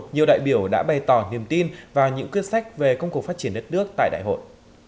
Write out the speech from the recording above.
nhiều đại biểu đã bày tỏ niềm tin và những quyết sách về công cuộc phát triển đất nước tại đại hội